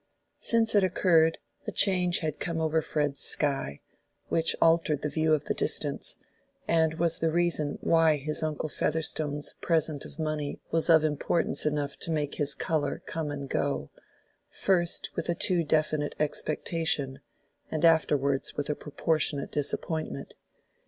Since it occurred, a change had come over Fred's sky, which altered his view of the distance, and was the reason why his uncle Featherstone's present of money was of importance enough to make his color come and go, first with a too definite expectation, and afterwards with a proportionate disappointment.